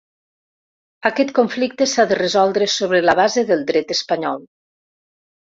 Aquest conflicte s’ha de resoldre sobre la base del dret espanyol.